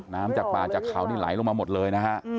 น้ำจากป่าจากเขานี่ไหลลงมาหมดเลยนะฮะ